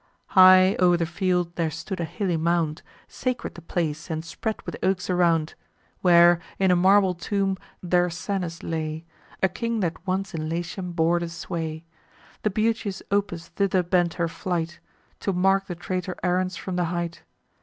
High o'er the field there stood a hilly mound, Sacred the place, and spread with oaks around, Where, in a marble tomb, Dercennus lay, A king that once in Latium bore the sway. The beauteous Opis thither bent her flight, To mark the traitor Aruns from the height.